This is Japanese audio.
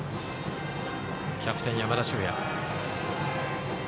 キャプテン、山田脩也。